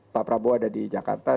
pak prabowo ada di jakarta